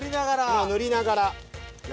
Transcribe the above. もう塗りながら。